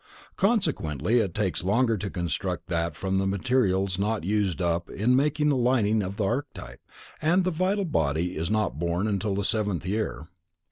Consequently it takes longer to construct that from the materials not used up in making the lining of the archetype, and the vital body is not born until the seventh year.